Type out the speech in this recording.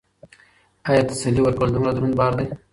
ایا تسلي ورکول دومره دروند بار دی؟